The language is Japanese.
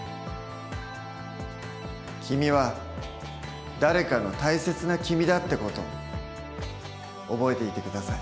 君は誰かの大切な君だって事覚えていて下さい。